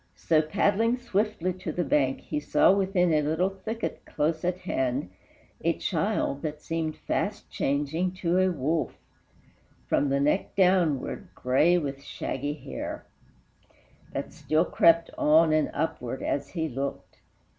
So, paddling swiftly to the bank, he saw, Within a little thicket close at hand, A child that seemed fast changing to a wolf, From the neck downward, gray with shaggy hair That still crept on and upward as he looked.